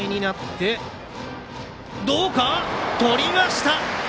とりました！